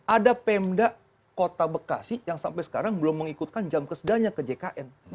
ada pemda kota bekasi yang sampai sekarang belum mengikutkan jam kesedanya ke jkn